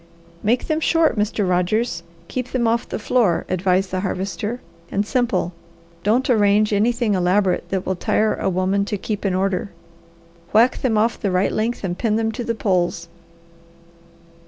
"Make them short Mr. Rogers; keep them off the floor," advised the Harvester. "And simple don't arrange any thing elaborate that will tire a woman to keep in order. Whack them off the right length and pin them to the poles."